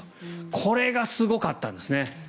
これがすごかったんですね。